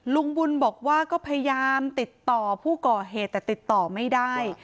ลุงบุญบอกว่าก็พยายามติดต่อผู้ก่อเหตุแต่ติดต่อไม่ได้